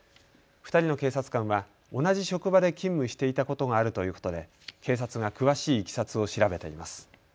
２人の警察官は同じ職場で勤務していたことがあるということで警察が詳しいいきさつを調べています。